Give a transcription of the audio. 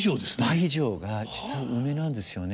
倍以上が実は梅なんですよね。